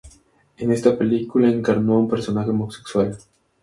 En esta película encarnó a un personaje homosexual.